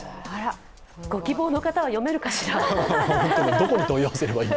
ご希望の方は読めるかしら。